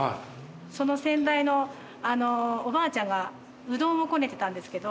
その先代の、おばあちゃんがうどんをこねてたんですけど